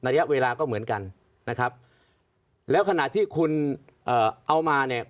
ระยะเวลาก็เหมือนกันนะครับแล้วขณะที่คุณเอ่อเอามาเนี่ย